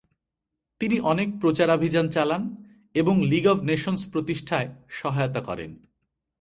তিনি অনেক প্রচারাভিযান চালান এবং লিগ অভ নেশনস প্রতিষ্ঠায় সহায়তা করেন।